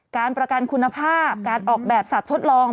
การประกันคุณภาพการออกแบบสัตว์ทดลอง